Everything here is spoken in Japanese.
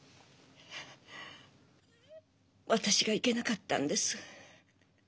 私がいけなかったんです。